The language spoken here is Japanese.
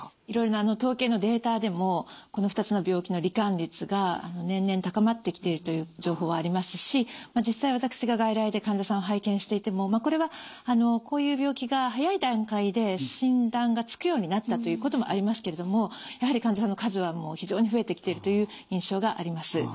いろいろな統計のデータでもこの２つの病気の罹患率が年々高まってきているという情報はありますし実際私が外来で患者さんを拝見していてもまあこれはこういう病気が早い段階で診断がつくようになったということもありますけれどもやはり患者さんの数はもう非常に増えてきているという印象があります。